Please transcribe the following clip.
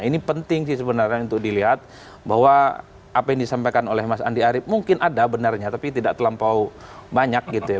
ini penting sih sebenarnya untuk dilihat bahwa apa yang disampaikan oleh mas andi arief mungkin ada benarnya tapi tidak terlampau banyak gitu ya